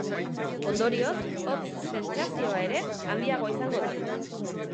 Ondorioz, hotz sentsazioa are eta handiagoa izango da.